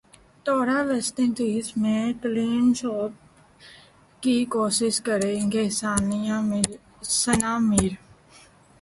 دورہ West Indies میں clean sweep کی کوشش کرینگے ثناء میر